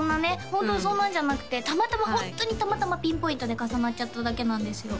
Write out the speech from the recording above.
ホントにそんなんじゃなくてたまたまホントにたまたまピンポイントで重なっちゃっただけなんですよ